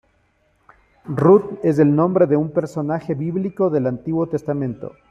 Rut es el nombre de un personaje bíblico del Antiguo Testamento.